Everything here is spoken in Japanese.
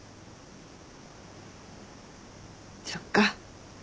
そっか。